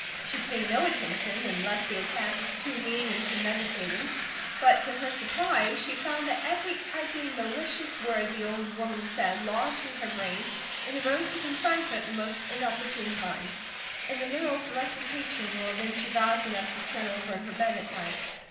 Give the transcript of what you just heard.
She paid no attention unless the attack was too mean and premeditated; but to her surprise she found that every ugly, malicious word the old woman said lodged in her brain and arose to confront her at the most inopportune times in the middle of a recitation or when she roused enough to turn over in her bed at night.